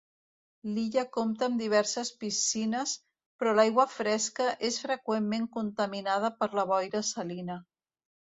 L'illa compta amb diverses piscines, però l'aigua fresca és freqüentment contaminada per la boira salina.